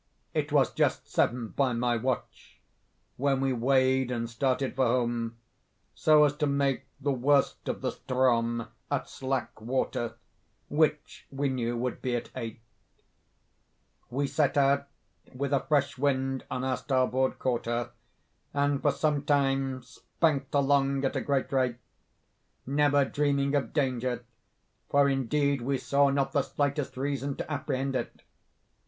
It was just seven, by my watch, when we weighed and started for home, so as to make the worst of the Ström at slack water, which we knew would be at eight. "We set out with a fresh wind on our starboard quarter, and for some time spanked along at a great rate, never dreaming of danger, for indeed we saw not the slightest reason to apprehend it.